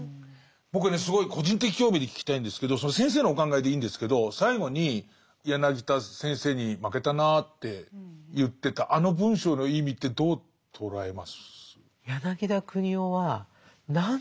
僕はねすごい個人的興味で聞きたいんですけど先生のお考えでいいんですけど最後に柳田先生に負けたなって言ってたあの文章の意味ってどう捉えます？